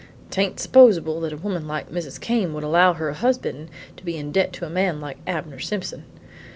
Tain't supposable that a woman like Mrs. Came would allow her husband to be in debt to a man like Abner Simpson.